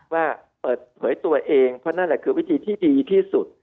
ว่าเปิดเผยตัวเองเพราะนั่นแหละคือวิธีที่ดีที่สุด